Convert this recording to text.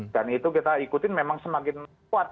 dan itu kita ikutin memang semakin kuat